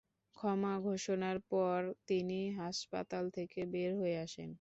ক্ষমা ঘোষণার পর তিনি হাসপাতাল থেকে বের হয়ে আসেন।